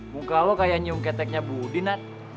mukamu kaya nyung keteknya budi nat